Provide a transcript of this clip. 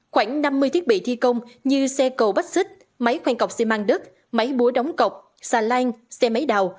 khoảng năm mươi thiết bị thi công như xe cầu bách xích máy khoang cọc xi măng đất máy búa đóng cọc xà lan xe máy đào